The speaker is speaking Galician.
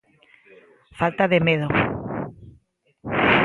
Falta de medo.